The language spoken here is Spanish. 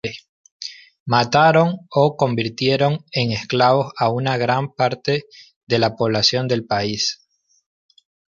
Mataron o convirtieron en esclavos a una gran parte de la población del país.